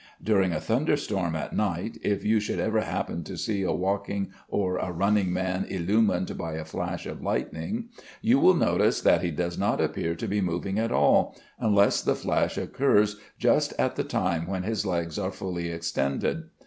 During a thunder storm at night, if you should ever happen to see a walking or a running man illumined by a flash of lightning, you will notice that he does not appear to be moving at all, unless the flash occurs just at the time when his legs are fully extended.